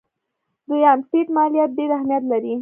دویم: ټیټ مالیات ډېر اهمیت لري.